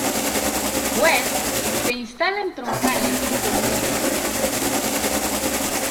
Juez" se instala en Troncales y comienza su trabajo.